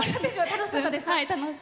楽しかったです。